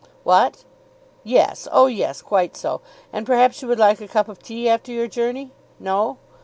"What? Yes. Oh, yes. Quite so. And perhaps you would like a cup of tea after your journey? No?